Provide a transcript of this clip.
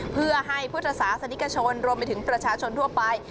เพื่อให้พุทธศาสนิกชนรวมไปถึงประชาชนทั่วไป